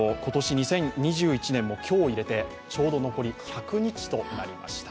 ２０２１年も今日入れて、ちょうど残り１００日となりました。